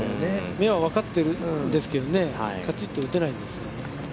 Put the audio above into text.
目は分かってるんですけれどね、がちっと打てないんです。